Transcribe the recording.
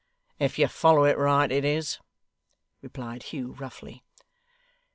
'If you follow it right, it is,' replied Hugh roughly.